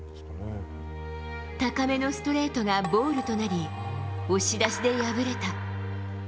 高めのストレートがボールとなり、押し出しで敗れた。